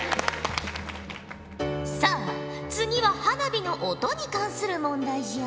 さあ次は花火の音に関する問題じゃ！